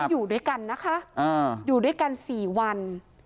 อยู่ด้วยกันนะคะอยู่ด้วยกัน๔วัน